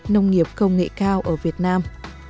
nông nghiệp công nghệ cao ở việt nam